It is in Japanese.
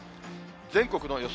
全国の予想